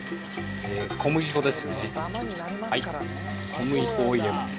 小麦粉を入れます。